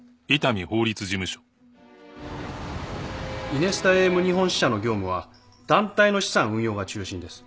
イネスタＡＭ日本支社の業務は団体の資産運用が中心です。